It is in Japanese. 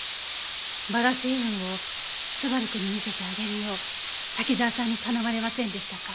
バラ星雲を昴くんに見せてあげるよう滝沢さんに頼まれませんでしたか？